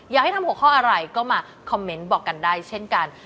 ให้ทำหัวข้ออะไรก็มาคอมเมนต์บอกกันได้เช่นกัน